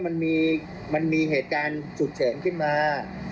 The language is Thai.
ถ้าเกิดว่ามันมีเหตุการณ์สุดเฉยขึ้นมา